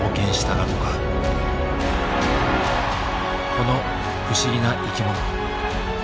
この不思議な生き物。